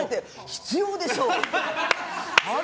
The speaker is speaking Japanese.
必要でしょ！